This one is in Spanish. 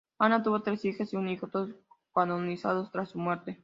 Anna tuvo tres hijas y un hijo, todos canonizados tras su muerte.